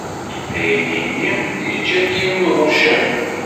Aydi-nni yečča-t yiwen n uɣucaf.